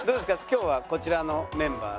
今日はこちらのメンバー。